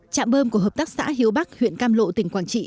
trạm bơm của hợp tác xã hiếu bắc huyện cam lộ tỉnh quảng trị